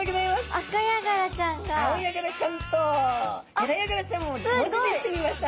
アオヤガラちゃんとヘラヤガラちゃんを文字にしてみました。